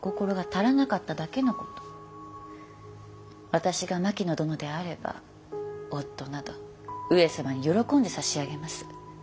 私が牧野殿であれば夫など上様に喜んで差し上げます。